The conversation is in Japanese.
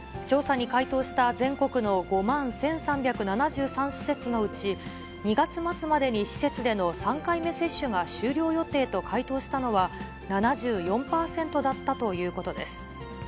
調査に回答した全国の５万１３７３施設のうち、２月末までに施設での３回目接種が終了予定と回答したのは７４％だったということです。